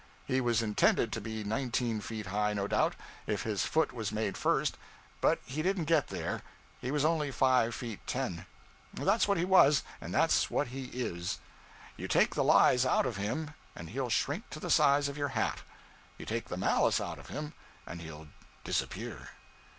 He was intended to be nineteen feet high, no doubt, if his foot was made first, but he didn't get there; he was only five feet ten. That's what he was, and that's what he is. You take the lies out of him, and he'll shrink to the size of your hat; you take the malice out of him, and he'll disappear.